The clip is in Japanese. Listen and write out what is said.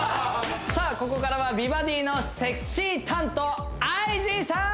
さあここからは美バディのセクシー担当ＩＧさーん！